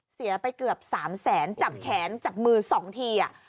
เสียไปเกือบ๓แสนจับแขนจับมือ๒ที